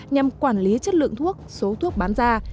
nhằm quản lý chất lượng thuốc số thuốc bán ra